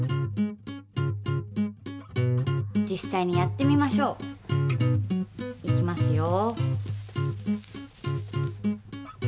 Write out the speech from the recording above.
実際にやってみましょう。いきますよ。